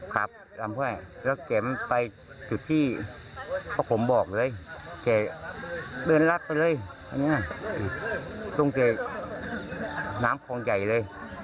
แกด้วนรักไปเลยตรงนี้นะตรงเต็นน้ำของใหญ่เลย